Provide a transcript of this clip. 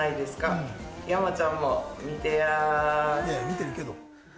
見てるけど！